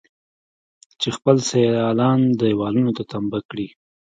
چې خپل سيالان دېوالونو ته تمبه کړي.